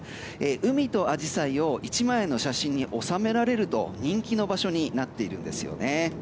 海とアジサイを１枚の写真に収められると人気の場所になっているんですよね。